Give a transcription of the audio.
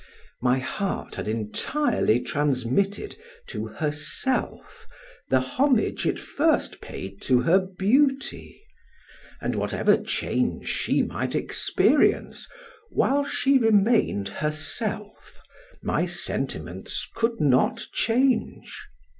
My heart had entirely transmitted to herself the homage it first paid to her beauty, and whatever change she might experience, while she remained herself, my sentiments could not change.